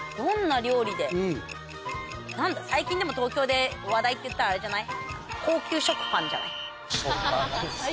最近でも東京で話題っていったらあれじゃない？